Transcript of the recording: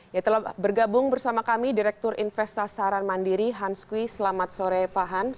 ya telah bergabung bersama kami direktur investasi saran mandiri hans kwi selamat sore pak hans